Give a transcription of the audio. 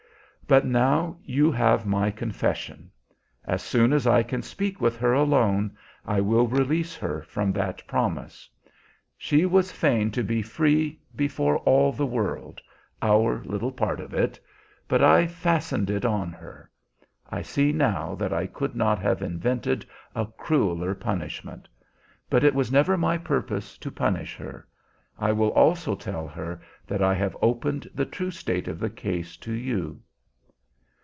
But now you have my confession. As soon as I can speak with her alone I will release her from that promise. She was fain to be free before all the world, our little part of it, but I fastened it on her. I see now that I could not have invented a crueler punishment; but it was never my purpose to punish her. I will also tell her that I have opened the true state of the case to you."